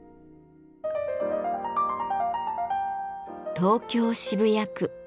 東京・渋谷区。